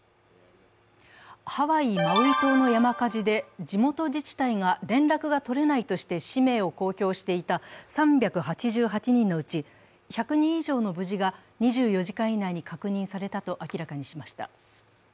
ハワイ・マウイ島の山火事で、地元自治体が連絡が取れないとして氏名を公表していた３８８人のうち１００人以上の無事が２４時間以内に確認されたと明らかにしました。